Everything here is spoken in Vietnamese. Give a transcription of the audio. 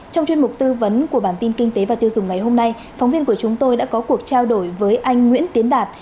trong chuyên mục tư vấn của bản tin kinh tế và tiêu dùng ngày hôm nay phóng viên của chúng tôi đã có cuộc trao đổi với anh nguyễn tiến đạt